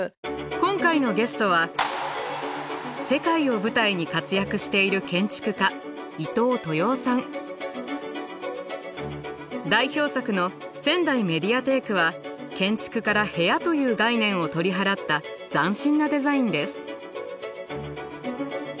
今回のゲストは世界を舞台に活躍している代表作のせんだいメディアテークは建築から部屋という概念を取り払った斬新なデザインです。